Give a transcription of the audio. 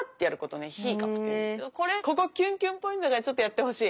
これここキュンキュンポイントだからちょっとやってほしい。